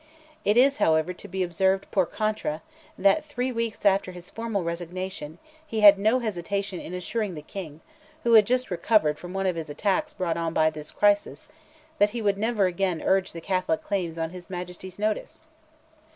It is, however, to be observed, per contra, that three weeks after his formal resignation, he had no hesitation in assuring the King, who had just recovered from one of his attacks brought on by this crisis, that he would never again urge the Catholic claims on his Majesty's notice.